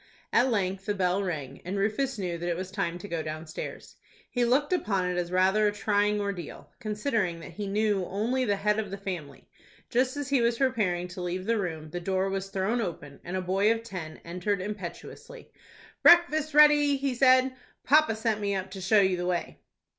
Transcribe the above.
At length the bell rang, and Rufus knew that it was time to go downstairs. He looked upon it as rather a trying ordeal, considering that he knew only the head of the family. Just as he was preparing to leave the room, the door was thrown open, and a boy of ten entered impetuously. "Breakfast's ready," he said; "Pa pa sent me up to show you the way."